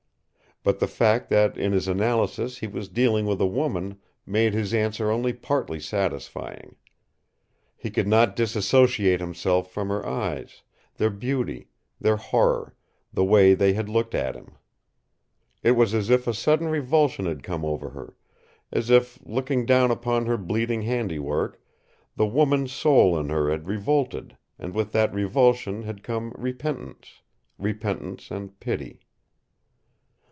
But the fact that in his analysis he was dealing with a woman made his answer only partly satisfying. He could not disassociate himself from her eyes their beauty, their horror, the way they had looked at him. It was as if a sudden revulsion had come over her; as if, looking down upon her bleeding handiwork, the woman's soul in her had revolted, and with that revulsion had come repentance repentance and pity.